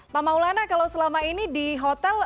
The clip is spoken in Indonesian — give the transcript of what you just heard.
pak maulana kalau selama ini di hotel